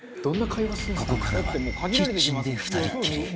ここからはキッチンで２人きり